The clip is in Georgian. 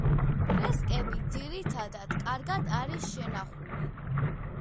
ფრესკები ძირითადად კარგად არის შენახული.